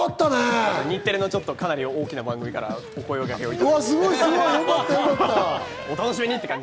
日テレのかなり大きな番組からお声がけいただきまして。